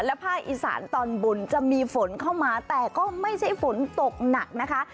ภาคอีสานตอนบนจะมีฝนเข้ามาแต่ก็ไม่ใช่ฝนตกหนักนะคะ